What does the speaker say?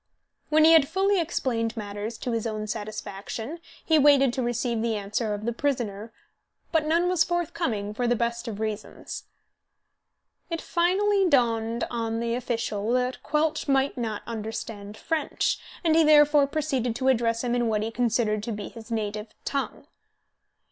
When he had fully explained matters to his own satisfaction he waited to receive the answer of the prisoner; but none was forthcoming, for the best of reasons. It finally dawned on the official that Quelch might not understand French, and he therefore proceeded to address him in what he considered to be his native tongue.